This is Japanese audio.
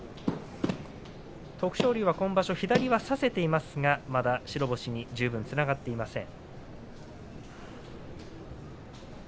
徳勝龍は今場所、左は差せていますが、まだ白星に十分つながっていません。